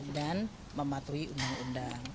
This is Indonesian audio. dan mematuhi undang undang